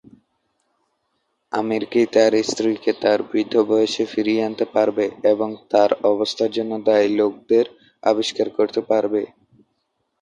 আমির কি তার স্ত্রীকে তার বৃদ্ধ বয়সে ফিরিয়ে আনতে পারবে এবং তার অবস্থার জন্য দায়ী লোকদের আবিষ্কার করতে পারবে?